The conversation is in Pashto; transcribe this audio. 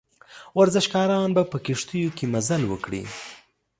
ورزشکاران به په کښتیو کې مزل وکړي.